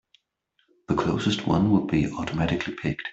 The closest one will be automatically picked.